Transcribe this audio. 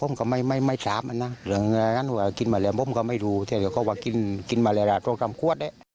เมื่อกี๊หายมาด้วยมิดาเลยนะครับ